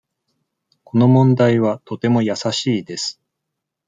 この問題はとても易しいです。